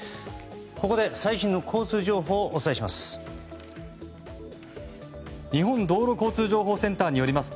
ここで最新の交通情報をお伝えします。